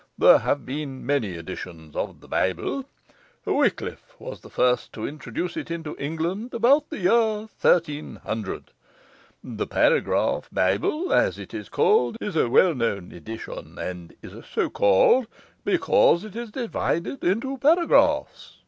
There have been many editions of the Bible; Wycliff was the first to introduce it into England about the year 1300. The "Paragraph Bible", as it is called, is a well known edition, and is so called because it is divided into paragraphs.